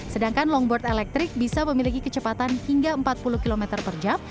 sedangkan longboard elektrik bisa memiliki kecepatan hingga empat puluh km per jam